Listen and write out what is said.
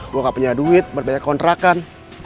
gue gak punya duit berbanyak kontrakan